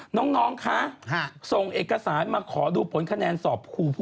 น้องคะส่งเอกสารมาขอดูผลคะแนนสอบครูผู้